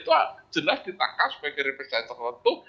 itu jelas ditangkap sebagai representasi tertentu